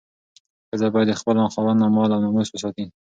ښځه باید د خپل خاوند مال او ناموس وساتي.